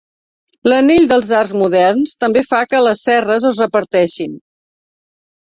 L'anell dels arcs moderns, també fa que les cerres es reparteixin.